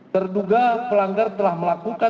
terduga pelanggar telah melakukan